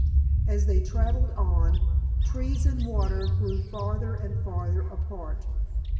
As they traveled on trees and water grew farther and farther apart.